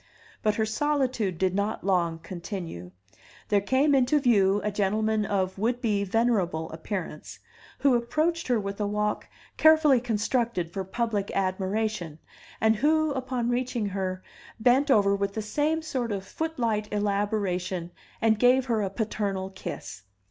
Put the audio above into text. But her solitude did not long continue; there came into view a gentleman of would be venerable appearance, who approached her with a walk carefully constructed for public admiration, and who, upon reaching her, bent over with the same sort of footlight elaboration and gave her a paternal kiss.